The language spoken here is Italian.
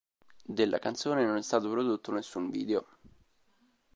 Della canzone non è stato prodotto nessun video.